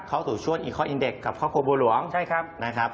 เค้าสู่ช่วงอีกข้ออินเด็กซ์กับเค้าครัวบัวหลวงนะครับใช่ครับ